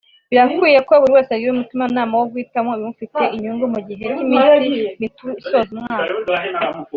Birakwiye ko buri wese agira umutima nama wo guhitamo ibimufitiye inyungu mu gihe cy’iminsi mikuru isoza umwaka